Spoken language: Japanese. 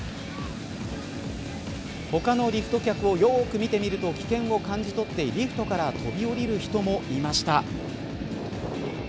他のリフト客をよく見てみると危険を感じ取って、リフトから飛び降りる人もいました。